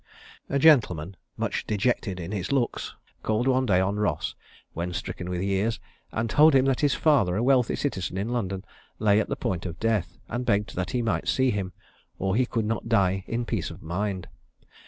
"A gentleman, much dejected in his looks, called one day on Ross, when stricken with years, and told him that his father, a wealthy citizen in London, lay at the point of death, and begged that he might see him, or he could not die in peace of mind.